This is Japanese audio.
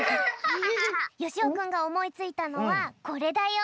よしおくんがおもいついたのはこれだよ。